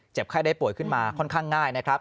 ไข้ได้ป่วยขึ้นมาค่อนข้างง่ายนะครับ